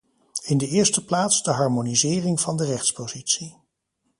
In de eerste plaats de harmonisering van de rechtspositie.